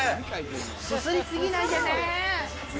すすりすぎないでね。